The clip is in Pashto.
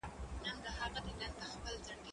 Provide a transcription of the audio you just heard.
دا کتاب له هغه ښه دی